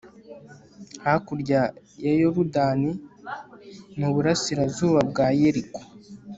hakurya ya yorudani, mu burasirazuba bwa yeriko